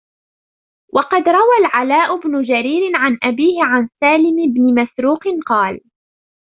وَقَدْ رَوَى الْعَلَاءُ بْنُ جَرِيرٍ عَنْ أَبِيهِ عَنْ سَالِمِ بْنِ مَسْرُوقٍ قَالَ